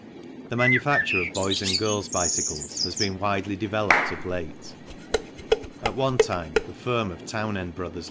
The manufacture of boys' and girls' bicycles has been widely developed of late. At one time the firm of Townend Bros.